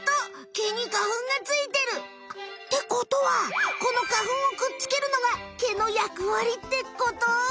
毛に花ふんがついてる！ってことはこの花ふんをくっつけるのが毛の役割ってこと？